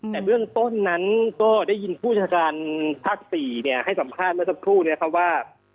แต่เรื่องต้นนั้นก็ได้ยินผู้ชาญภาคสี่เนี่ยให้สัมภาษณ์เมื่อสักครู่เนี่ยค่ะว่า